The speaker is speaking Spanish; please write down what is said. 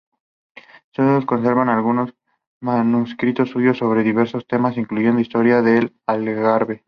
Se conservan algunos manuscritos suyos sobre diversos temas, incluyendo historia del Algarve.